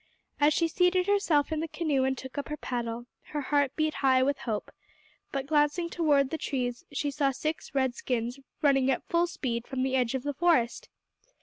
As she seated herself in the canoe and took up her paddle, her heart beat high with hope, but, glancing towards the trees, she saw six red skins running at full speed from the edge of the forest.